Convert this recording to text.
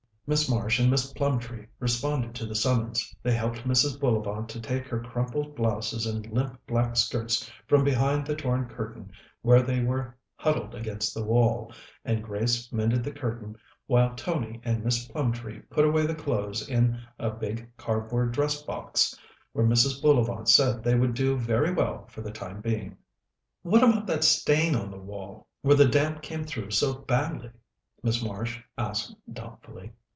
Miss Marsh and Miss Plumtree responded to the summons. They helped Mrs. Bullivant to take her crumpled blouses and limp black skirts from behind the torn curtain where they were huddled against the wall; and Grace mended the curtain while Tony and Miss Plumtree put away the clothes in a big cardboard dress box, where Mrs. Bullivant said they would do very well for the time being. "What about that stain on the wall where the damp came through so badly?" Miss Marsh asked doubtfully.